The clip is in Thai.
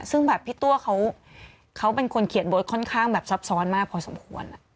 ซึ่งแบบพี่ตัวเขาเป็นคนเขียนบทค่อนข้างแบบซับซ้อนมากพอสมควร